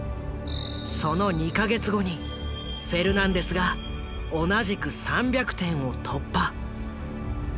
その２か月後にフェルナンデスが同じく３００点を突破。